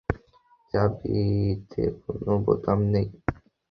চাবিতে কোন বোতাম নেই।